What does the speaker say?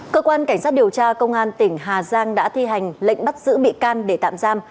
cơ quan cảnh sát điều tra công an tỉnh hà giang đã thi hành lệnh bắt giữ bị can để tạm giam